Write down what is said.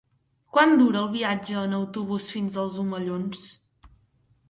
Quant dura el viatge en autobús fins als Omellons?